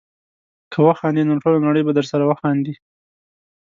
که وخاندې نو ټوله نړۍ به درسره وخاندي.